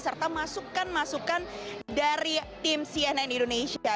serta masukan masukan dari tim cnn indonesia